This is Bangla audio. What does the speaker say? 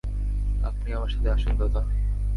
আপনি, আমার সাথে আসুন, দাদা।